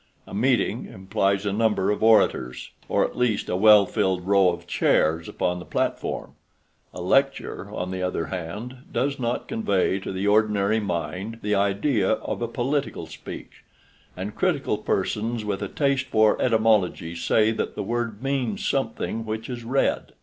A "meeting" implies a number of orators, or at least a well filled row of chairs upon the platform. A "lecture," on the other hand, does not convey to the ordinary mind the idea of a political speech, and critical persons with a taste for etymology say that the word means something which is read.